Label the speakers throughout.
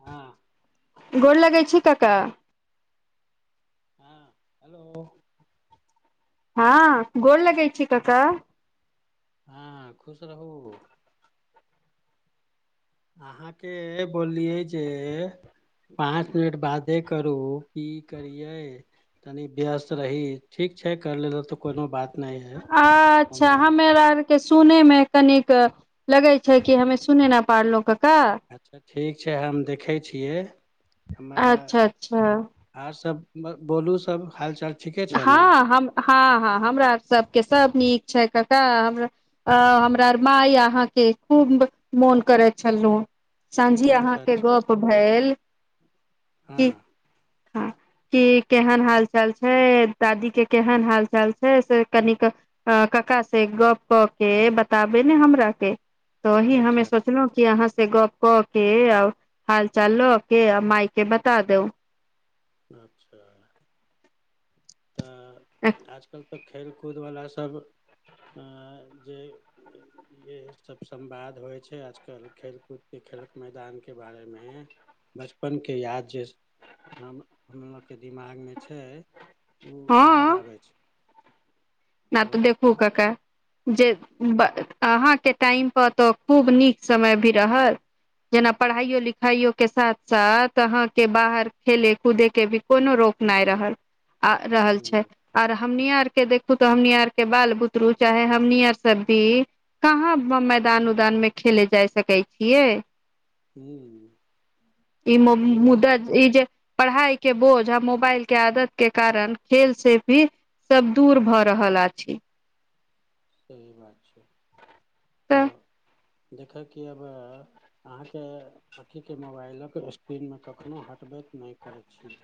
Speaker 1: हँ।
Speaker 2: गोर लगै छी कक्का।
Speaker 1: हँ हेलो।
Speaker 2: हँ गोर लगै छी कक्का।
Speaker 1: हँ खुश रहू। अहाँके बोललियै जे पाँच मिनट बादे करू की करियै। तनी व्यस्त रही, ठीक छै करि लेलहु तऽ कोनो बात नहि हइ हम
Speaker 2: अच्छा हमेरर के सुने में कनिक लगे छै कि, हमे सुने न पारलहुं, कका।
Speaker 1: अच्छा ठीक छै, हम देखै छियै हम
Speaker 2: अच्छा अच्छा
Speaker 1: आर सब म बोलू, सब हाल-चाल?
Speaker 2: हँ हम हँ-हँ हमरा सबके सब नीक छै, कका हमरा अँ हमरा अर माय अहाँके खूब मोन करैत छलु। सँझी
Speaker 1: अच्छा
Speaker 2: अहाँके
Speaker 1: अच्छा
Speaker 2: गौप भेल
Speaker 1: हँ
Speaker 2: की हँ कि केहन हाल-चाल छ छय दादी के केहन हाल-चाल छै से कनिक अ कका से गप कऽ के बताबे ने हमरा के, तही हमे
Speaker 1: अच्छा
Speaker 2: सोच सोचलहु की अहाँ से गप कऽ के, आ ओ हाल चाल लऽ के आ माय के बता दउ।
Speaker 1: अच्छा। तऽ आजकल तऽ खेलकूदवला सब अँ जै येहे सब संवाद होइ छै, आजकल खेलकूदके खेलक मैदानके बारेमे बचपनके याद जे, हम हमलोक के दिमागमे छै उ याद
Speaker 2: हँ
Speaker 1: आबै छै
Speaker 2: न तऽ देखू कका जे ब त अहाँके टाइम पर तऽ, खूब नीक समय भी रहल जेना पढ़ाइयो-लिखाइयो के साथ-साथ, अहाँ के बाहर खेले कूदे के भी कोनो रोक नहि रहल आ रहल छै, आर हमनि आर के देख खू तऽ हमनी आर के बाल-बुतरू, चाहे हमनी आर सब भी कहाँ मैदान-उदानमे खेले जाय सकै छियै
Speaker 1: ह
Speaker 2: ई मं
Speaker 1: सही बात
Speaker 2: मुदा ई जे पढ़ाई के बोझ, आ मोबाइल के आदत के कारण खेल से भी सब दूर भऽ रहल आछि
Speaker 1: सही बात छै, तऽ देखक कि अबऽ अहाँके अँखिके मोबाइलक स्पीडमे कखनोहु हटबैत नहि कहय छी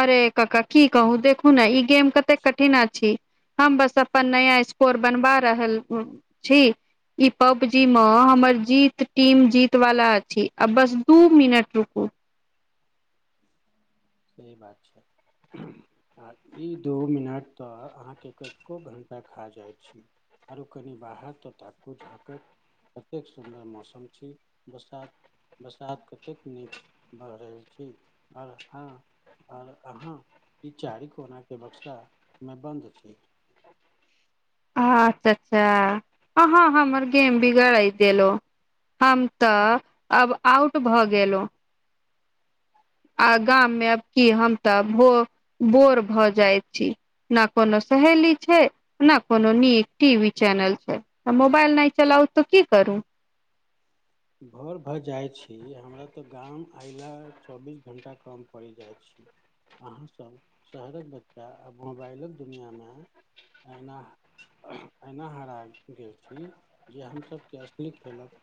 Speaker 2: अरे कका की कहू देखू ने, ई गेम कतेक कठिन अछी हम बस अपन नया स्कोर बनवा रहल छी ई पबजी मे हमर जीत टीम जीत वाला अछि, आ बस दू मिनट रूकु
Speaker 1: सही बात छै
Speaker 2: [inaudible]
Speaker 1: आ ई दू मिनट तऽ अहाँके, कतको घण्टा खा जाइत छी आरो कनि बाहर तऽ ताकू-झाँकक कतेक सुन्दर मौसम छै, बसात बरसात कतेक नहि बढ़ रहल छी, आओर हँ आओर अहाँ, ई चारि कोना के बक्सा मे बन्द छी
Speaker 2: अहां चच्चा अहां हमर गेम बिगड़इ देलो हम तऽ अब आउट भऽ गेलऊ। आ गाम मे अब की हम तऽ भो बोर भऽ जाइत छी, ना कोनो सहेली छै ना कोनो नीक टी वी चैनल छै, मोबाइल नहि चलाउ तऽ की करू।
Speaker 1: भोर भर जाइत छी, हमरा तऽ गाम अयला चौबीस घण्टा कम पड़ि जाइत छी। अहाँसब शहरक बच्चा, आ मोबाइलक दुनियांमे एहिना एहिना हरा गेल छी, जे हमसबके असली खेलक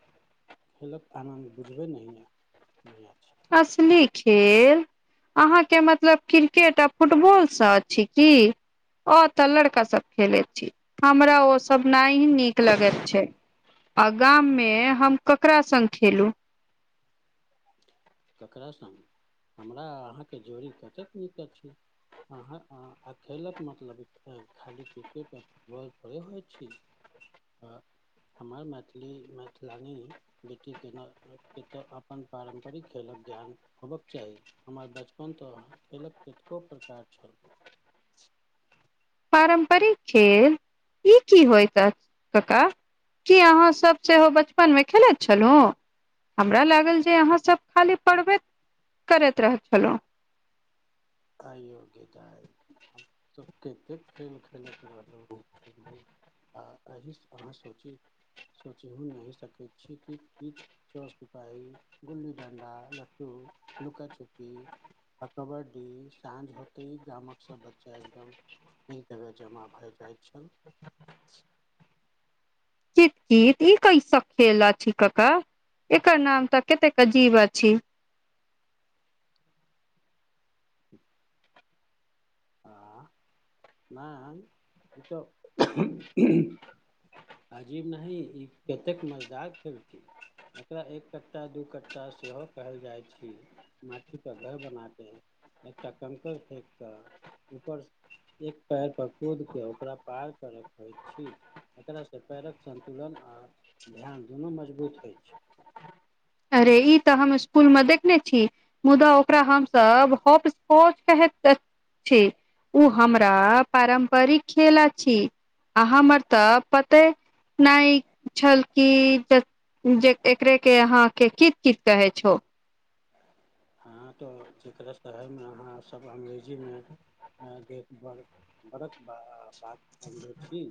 Speaker 1: खेलक आनन्द बुझबे नहिए, नहि अछि।
Speaker 2: असली खेल अहाँके मतलब क्रिकेट आ फुटबॉलसँ अछि की अ तऽ लड़का सब खेले छी। हमरा ओ सब नहि नीक लगैत छै। आ गाममे हम ककरा संग खेलू।
Speaker 1: ककरा संग हमरा अहाँके जोड़ी कतेक नीक अछि। अहाँ आ खेलत मतलब छैय। खाली क्रिकेट। वैह थौरे होए छै। आ हमर मैथिली मैथिलानी बेटीके के [unintelligible] अपन पारम्परिक खेलक ज्ञान होबक चाही। हमर बचपन तऽ खेलक कतेको प्रकार छल।
Speaker 2: पारम्परिक खेल ई की होइत कक्का। की अहाँ सब सेहो बचपनमे खेलैत छलु। हमरा लागल जे अहाँसब खाली पढ़बै करैत रहै छलु।
Speaker 1: आयो गेदाइ हमसब कतेक खेल खेलैत रहलहुँ। आ एहिस अहाँ सोचि सोचियो नहि सकैत छी कि की। चोर-सिपाही गुल्ली-डंडा, लट्टू, लुका-छुपी। आ कबड्डी साँझ होतै गामक सब बच्चा एकदम एक जगह जमा भऽ जाइत छल।
Speaker 2: कित-कित ई कैसा खैला छैय कक्का एकर नाम तऽ कते अजीब अछि।
Speaker 1: ठीक हँ नहि ऊ तऽ अजीब नही ई कतेक मजदार खेल छी। एकरा एक कट्टा दू कट्टा सेहो कहल जाइत छी। माटीपर घर बना तै एकटा कंकड़ फेेकि कऽ ऊपर स एक पैर पर कूद के ओकरा पार के रहै छैय। एकरा सँ पैरक संन्तुलन आर ध्यान दुनू मजबूत होए छै।
Speaker 2: अरे ई तऽ हम इसकुलमे देखने छी। मुदा ओकरा हमसब होपस्कौच कहैत अ छी ओ हमरा पारम्परिक खेल अछि। आ हमर तऽ पते। नहि छल की जक जे एकरे के अहाँ। के कित-कीत कहै छौ।
Speaker 1: हँ तऽ जेकरा शहरमे अहाँसब अंग्रेजीमे। देख बर बरक ब बात बनबै छी।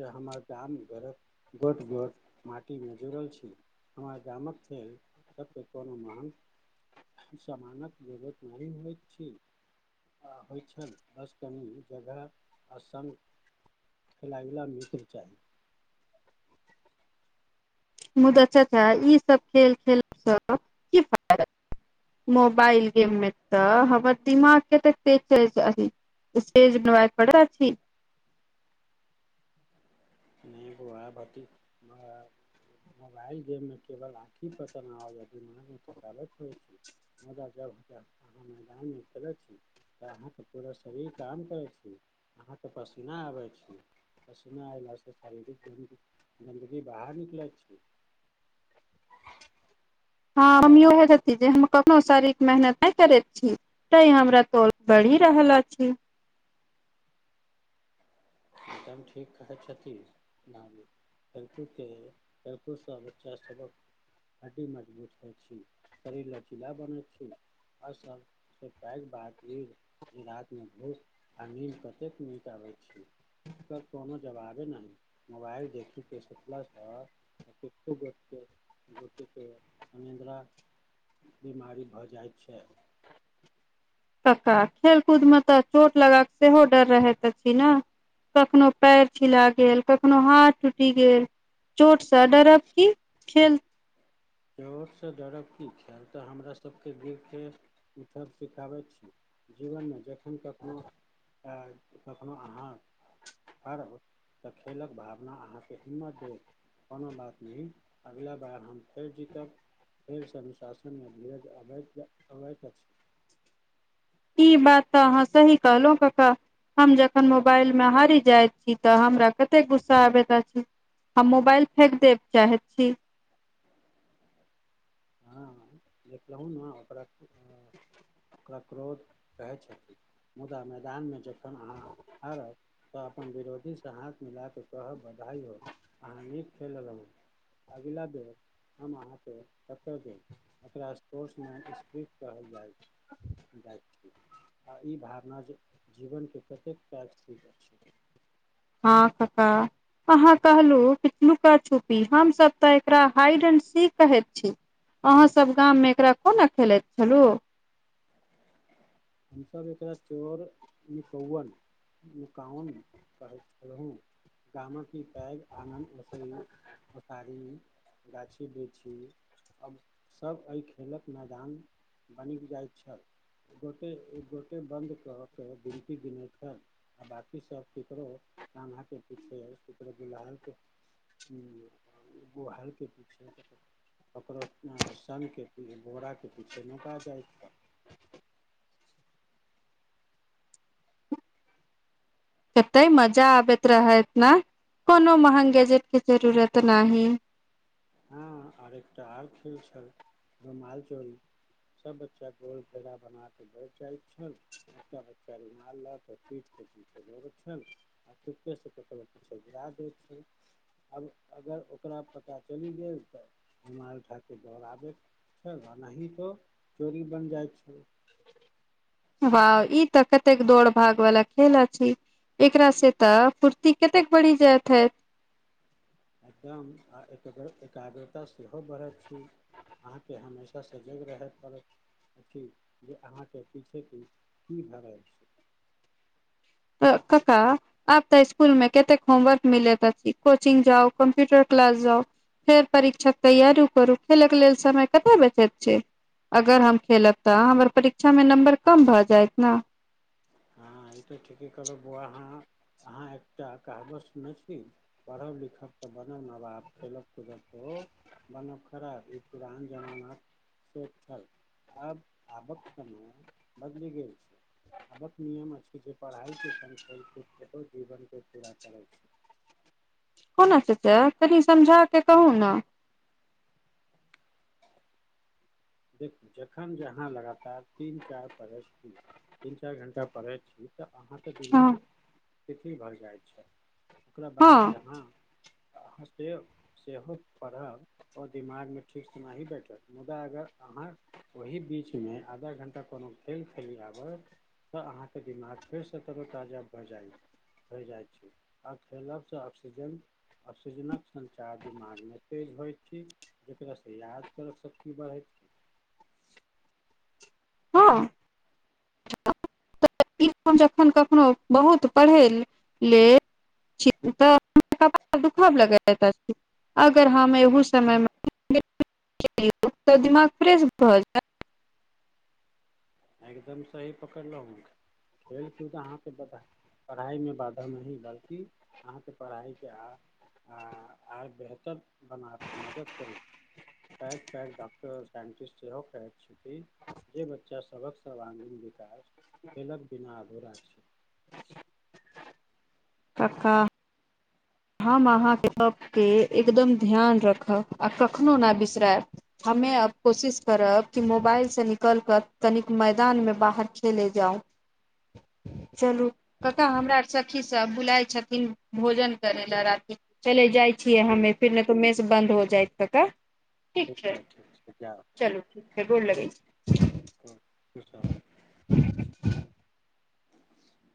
Speaker 1: जे हमर गाम घरक गोट-गोट माटीमे जुड़ल छी। हमर गामक खेल सबके कोनो महान। सानक जरूरत नहि होइत छी। आ होय छल बस कनि जगह आ संग। खिलाई वाला मित्र चाही
Speaker 2: मुदा चच्चा ई सब खेल खेलसँ की फायदा। मोबाइल गेममे तऽ हमर दिमाग केते तेज चलै अहि। स्टेज बनबाए पड़े अछि।
Speaker 1: नै बउवा भतिक मोबाइल गेममे केवल आँखि प तनाव आ दिमाग में थकावट होए छी। मदार जब हतै अहाँ मैदान मे खेलै छी। तऽ अहाँके पूरा शरीर काम करै छी। अहाँके पसीना आबै छी। पसीना अयला से शारीरिक गन गन्दगी बाहर निकलैत छी।
Speaker 2: हँ हम वैह जनती जे हम कखनो शारीर मेहनत नहि करैत छी। तैं हमरा तोंद बढ़ि रहल अछि।
Speaker 1: एकदम ठीक कहै छथि, ना लेब। ेलनकुके ेलकु [unintelligible] सँ बच्चाभक। हड्डी मजबूत होइ छै शरीर लचीला बनै छै। और सब बात ई जे रातिमे दूथ आ निंद कतेक नीक आबैत छै। एकर कोनो जवाबे नहि मोबाइल देखिके सुतला सं कतेको गोटके गोटेके अनिन्द्रा बीमारी भऽ जाइ छै।
Speaker 2: कक्का खेल कूद मे तऽ चोट लगबाक सेहो डर रहैत अछि न। कखनो पैर छिला गेल, कखनो हाथ टूटि गेल। चोट सा डरब की, खेल
Speaker 1: चोट सँ डरब की छै, ई तऽ हमरा सबके गिरके उठब सिखाबैत छी। जीवन में जखन कखनहु आयल, तखनहु अहाँ हारहु तऽ खेलक भावना अहाँके हिम्मत देत। कोनो बात नहि अगिला बार हम फेर जीतब, फेरसँ अनुशासनमे धर अब अबैत अछि।
Speaker 2: ई बात तऽ अहाँ सही कहलहुं कका। हम जखन मोबाइल मे हारी जाइत छी तऽ हमरा कते गुस्सा आबैत अछि हम मोबाइल फेक देब चाहैत छी
Speaker 1: हँ देखलहु ने ओकरा के क्रोध कहै छथि मुदा मैदान मे जखन अहाँ हारब तऽ अपन विरोधीसँ हाथ मिलाकऽ कहब बधाइ हो अहाँ नीक खेललहुं। अगिला बेर हम अहाँके टक्कर देब, एकरा स्पोर्टर्समेन स्पिरिट कहल जाय जाय छै, आ ई भावना जे जीवन के कतेक पाजिटिव अछि।
Speaker 2: हँ कका। अहाँ कहलहुँ कि लुका छुपी, हमसभ तऽ एकरा हाइड एंड सी कहैत छी। अहाँ सब गाम मे एकरा कोना खेलैत छलु?
Speaker 1: हम सब एकरा चोर नुकौवल नुकावन कहैत छलहुँ। कामा कि पैघ आंगन उसै उसारी मे गाछी वृक्षी आब सभ एहि खेलक मैदान बनि जाइत छल, एक गोटे एक गोटे बन्द क के गिनती गिनै छल। आ बाकी सभ ककरो कामा के पीछे, ककरो गुड़हल के एक गो हालके पीछे कत ककरो सङ्गे बोराके पीछे नुका जाइय छल।
Speaker 2: कते मजा आबैत रहे इतना, कोनो महग गेजेट के जरूरत नाही।
Speaker 1: हँ आर एकटा आर खेल छल रुमालचोरी। सब बच्चा गोल घेरा बनाके बैठ जाय छल एकटा बच्चा रुमाल ल क पीठ के पीछे दौड़ैय छल। आ चुपके सँ ककरो पीछे गिरा दै छै आब अगर ओकरा पता चलि गेल तऽ रुमाल उठाके दौड़ाबैत। ओ नाही तो चोरी बनि जाइ छै।
Speaker 2: वा ई तऽ कतेक दौड़ भाग वाला खेला छी। एकरा से त फुर्ती कतेक बढ़ि जायत हैत।
Speaker 1: एकदम, आ एक बेर एकाग्रता सेहो बढ़ैत छी। अहाँ के हमेशा सजग रहे पड़त। अथि जे अहाँके पीछे कि- की भए गेल।
Speaker 2: एय कक्का आब तऽ स्कुल मे केतेक होमवर्क मिलै त कि, कोचिंग जाउ कम्प्यूटर क्लास जाउ फेर परीक्षा के तैयारू करू, खेलक लेल समय कतय बचैत छै। अगर हम खेलब तऽ हमर परीक्षा मे नम्बर कम भए जायत न।
Speaker 1: हँ ई तऽ ठीके कहलहु बौआ अहाँ हाॅ, अहाँ एकटा कहवत सुनने छी। पढ़ब लिखब तऽ बनब नबाब, खेलब कूदब तऽ हो बनब खराब, ई पुरान जमाना पिठ्ल, आब आबक समय बदलि गेल छै। आबक नियम अछि जे पढ़ाइ के संग खेल कुद ककरो जीवन के पूरा करै छी।
Speaker 2: कोना च जैयत, कनि समझा के कहू न।
Speaker 1: [inaudible] देखू जखन जहाँ लगातार तीन चारि पढ़ैत छी, तीन चारि घण्टा पढ़ैत छी। ई तऽ अहाँके
Speaker 2: हँ
Speaker 1: दिमाग तिति भरि जाइ छै। ओकरा बाद
Speaker 2: हँ
Speaker 1: जहाँ अहाँ सेहो- सेहो पढ़ब ओ दिमागमे ठीक सँ नाही बैठत मुदा अगर अहाँ ओहि बीच मे आधा घंटा कोनो खेल खेलि आबर तऽ अहाँके दिमाग फेरसँ तरोताजा भए जाइत भय जाइत छै। आ खेलब सँ ऑक्सीजन, ऑक्सीजनक सञ्चार दिमागमे तेज होइत छी। केकरा सँ याद करब शक्ति बढ़ैत
Speaker 2: हँ ई हम जखन कखनो बहुत पढ़ै लेल [unintelligible] अगर हम एहू समयमे [unintelligible] तऽ दिमाग फ्रेश भऽ जाय
Speaker 1: एकदम सही पकड़लहु हैं, खेलकूद अहाँके बता पढ़ाइ मे बाधा नही, बल्कि अहाँके पढ़ाइके आ आ आइ बेहतर बनाके मदद करू। आय कालि डाक्टर साइंटिस्ट सेहो कहै छै कि, जे बच्चा सभक सर्वांगीण विकास खेलक बिना आधूरा छी।
Speaker 2: कक्का। हम अहाँ के गप्प के एकदम ध्यान रखब, आ कखनो ने बिसरायब हमे आब कोशिश करब, कि मोबाइल से निकल करऽ कनिक मैदानमे बाहर खेले जाउ चलू कतअ हमरा सखी सब बुलाइ छथिन भोजन करै जरा कि, चले जाइ छियै हमे
Speaker 1: ठीक
Speaker 2: फिर नहि तऽ मेस बन्द हो जायत कक्का ठीक छै, चलू ठीक छै गोर लगै छी।
Speaker 1: तह, प्रशादे [inaudible]